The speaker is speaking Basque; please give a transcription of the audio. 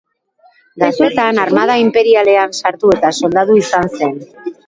Gaztetan armada inperialean sartu eta soldadu izan zen.